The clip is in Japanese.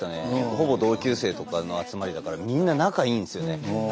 ほぼ同級生とかの集まりだからみんな仲いいんですよね。